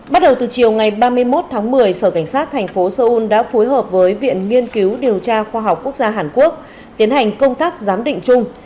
bắt đầu từ chiều ngày ba mươi một tháng một mươi sở cảnh sát thành phố seoul đã phối hợp với viện nghiên cứu điều tra khoa học quốc gia hàn quốc tiến hành công tác giám định chung